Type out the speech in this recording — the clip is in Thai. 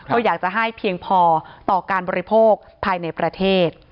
ก็อยากจะให้เพียงพอต่อการบริโภคภายในประเทศ